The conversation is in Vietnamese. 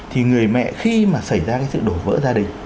thì người mẹ khi mà xảy ra cái sự đổ vỡ gia đình